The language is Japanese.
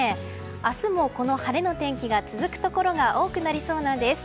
明日もこの晴れの天気が続くところが多くなりそうなんです。